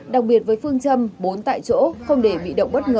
đặc biệt với phương châm bốn tại chỗ không để bị động bất ngờ